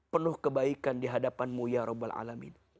penuh kebaikan dihadapanmu ya rabbil alamin